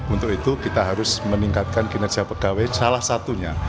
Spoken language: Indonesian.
untuk itu kita harus meningkatkan kinerja pegawai salah satunya